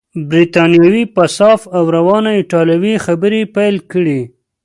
بریتانوي په صافه او روانه ایټالوې خبرې پیل کړې.